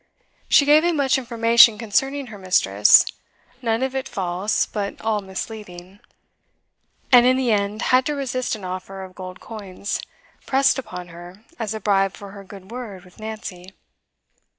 She gave him much information concerning her mistress none of it false, but all misleading and in the end had to resist an offer of gold coins, pressed upon her as a bribe for her good word with Nancy.